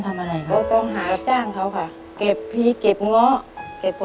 เช้ามาก็ต้องหุงหาทั้งหมดข้าวให้พ่อกับน้องกินกันก่อน